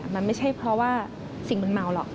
มันไม่ใช่เพราะว่าสิ่งมืนเมาหรอก